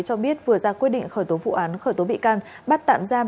cho biết vừa ra quyết định khởi tố vụ án khởi tố bị can bắt tạm giam